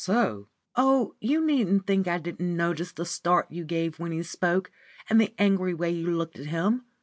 "How so?" "Oh, you needn't think I didn't notice the start you gave when he spoke, and the angry way you looked at him.